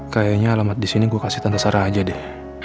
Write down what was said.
kayaknya alamat disini gue kasih tante sarah aja deh